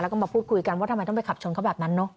แล้วก็มาพูดคุยกันว่าทำไมต้องไปขับชนเขาแบบนั้นเนอะ